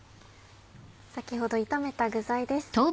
先ほど炒めた具材です。